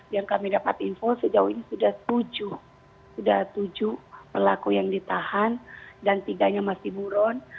yang kami dapat info sejauh ini sudah tujuh pelaku yang ditahan dan tiganya masih buron